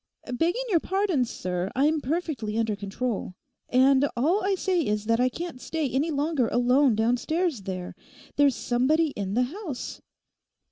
'Begging your pardon, sir, I'm perfectly under control. And all I say is that I can't stay any longer alone downstairs there. There's somebody in the house.